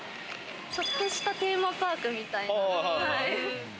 ちょっとしたテーマパークみたいな。